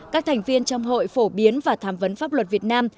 các thành viên trong hội phổ biến và tham vấn pháp luật việt nam